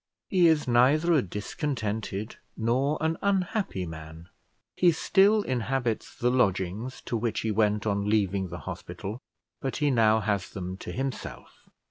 He is neither a discontented nor an unhappy man; he still inhabits the lodgings to which he went on leaving the hospital, but he now has them to himself.